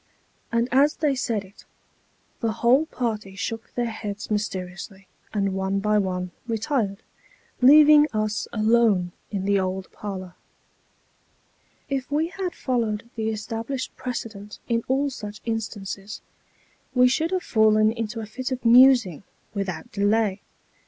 And as they said it, the whole party shook their heads mysteriously, and one by one retired, leaving us alone in the old parlour. If we had followed the established precedent in all such instances, we should have fallen into a fit of musing, without delay.